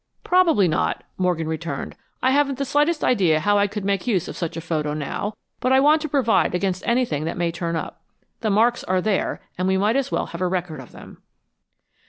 "Probably not," Morgan returned. "I haven't the slightest idea how I could make use of such a photo now. But I want to provide against anything that may turn up. The marks are there, and we might as well have a record of them."